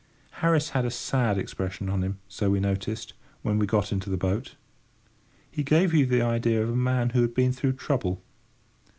Harris had a sad expression on him, so we noticed, when we got into the boat. He gave you the idea of a man who had been through trouble.